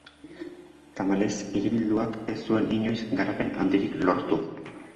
Tamalez, hiribilduak ez zuen inoiz garapen handirik lortu.